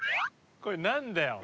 これ何だよ！